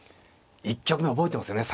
１局目覚えてますよね。